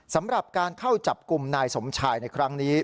สำหรับการเข้าจับกลุ่มนายสมชายในครั้งนี้